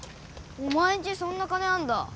お前んちそんな金あんだ。